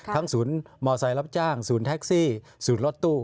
ศูนย์มอเซล์รับจ้างศูนย์แท็กซี่ศูนย์รถตู้